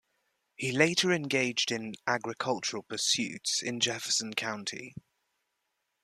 He later engaged in agricultural pursuits in Jefferson County.